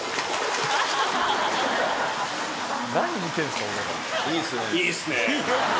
何見てんすか俺ら。